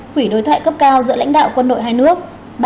quỷ đối thoại cấp cao giữa lãnh đạo quân đội hai nước